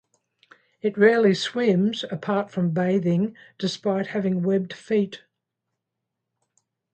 It rarely swims, apart from bathing, despite having webbed feet.